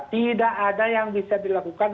tidak ada yang bisa dilakukan